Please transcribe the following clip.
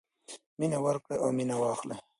مینه ورکړئ او مینه واخلئ.